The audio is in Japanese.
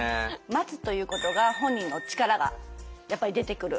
待つということが本人の力がやっぱり出てくる。